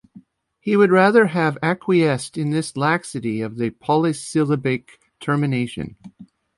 He would rather have acquiesced in this laxity of the polysyllabic termination.